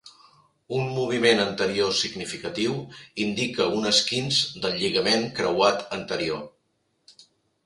Un moviment anterior significatiu indica un esquinç del lligament creuat anterior.